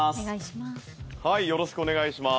よろしくお願いします。